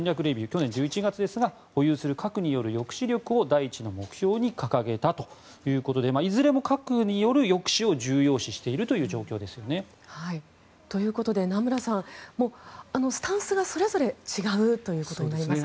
去年１１月ですが保有する核による抑止力を第一の目標に掲げたということでいずれも核による抑止を重要視しているという状況ですね。ということで、名村さんスタンスがそれぞれ違うということですね。